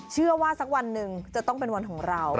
เชื่อว่าสักวันหนึ่งจะต้องเป็นวันของเรา